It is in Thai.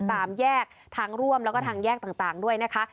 ตามแยกทางร่วมแล้วก็ทางแยกต่างด้วยนะคะ